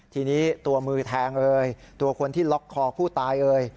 ทีนี้ตัวมือแทงตัวคนที่ล็อกคอผู้ตาย